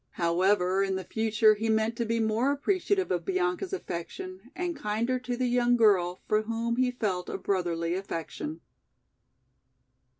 However, in the future he meant to be more appreciative of Bianca's affection, and kinder to the young girl for whom he felt a brotherly affection.